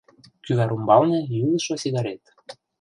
Кӱвар ӱмбалне йӱлышӧ сигарет.